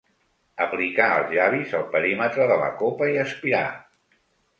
Aplicar els llavis al perímetre de la copa i aspirar.